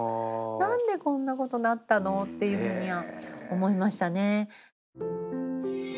「何でこんなことなったの？」っていうふうには思いましたね。